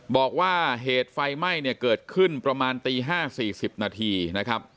บอกว่าเหตุไฟไหม้เนี่ยเกิดขึ้นประมาณตี๕๔๐นาทีนะครับ